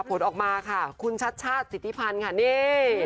ผลออกมาค่ะคุณชัดชาติสิทธิพันธ์ค่ะนี่